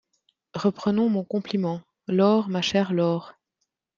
Reprenons mon compliment. "Laure ma chère Laure !…